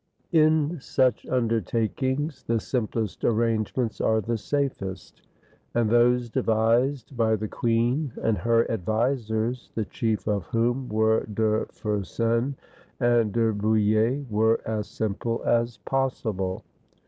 ] In such undertakings the simplest arrangements are the safest; and those devised by the queen and her advisers, the chief of whom were De Fersen and De Bouille, were as simple as possible.